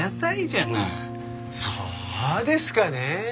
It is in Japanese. そうですかねえ。